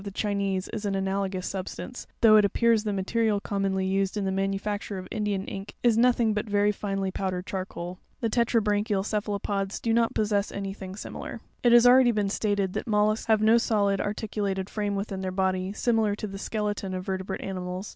the Chinese is an analogous substance, though it appears the material commonly used in the manufacture of Indian ink is nothing but very finely powdered charcoal. The tetrabranchial cephalopods do not possess any thing similar. 9. It has been already stated that mollusks have no solid, ar ticulated frame within their body, similar to the skeleton of ver tebrate animals.